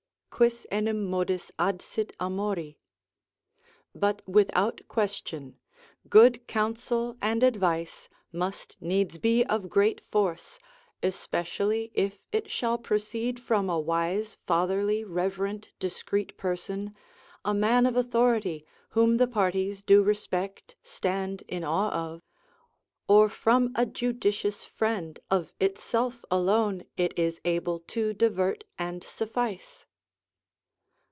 Quis enim modus adsit amori? But, without question, good counsel and advice must needs be of great force, especially if it shall proceed from a wise, fatherly, reverent, discreet person, a man of authority, whom the parties do respect, stand in awe of, or from a judicious friend, of itself alone it is able to divert and suffice.